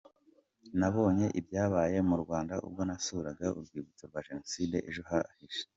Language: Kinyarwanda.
Nabonye ibyabaye mu Rwanda ubwo nasuraga Urwibutso rwa Jenoside ejo hashize.